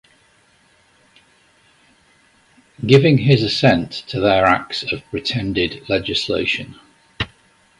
giving his Assent to their Acts of pretended Legislation: